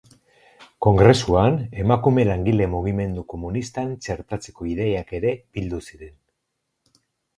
Kongresuan emakume langile mugimendu komunistan txertatzeko ideiak ere bildu ziren.